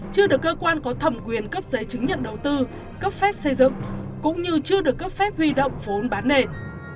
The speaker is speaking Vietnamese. chưa được cơ quan có thẩm quyền cấp giấy chứng nhận đầu tư cấp phép xây dựng cũng như chưa được cấp phép huy động vốn bán nền